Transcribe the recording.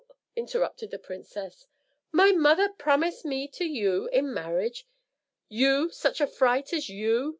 interrupted the princess; "my mother promised me to you in marriage; you such a fright as you!"